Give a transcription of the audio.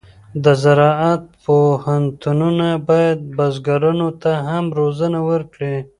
د زراعت پوهنتونونه باید بزګرانو ته هم روزنه ورکړي.